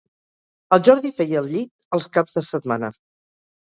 El Jordi feia el llit els caps de setmana